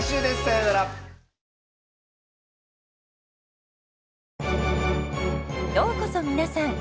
ようこそ皆さん。